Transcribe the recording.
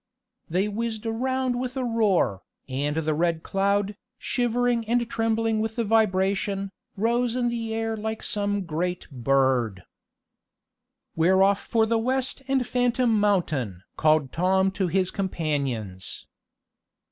They whizzed around with a roar, and the Red Cloud, shivering and trembling with the vibration, rose in the air like some great bird. "We're off for the West and Phantom Mountain!" called Tom to his companions.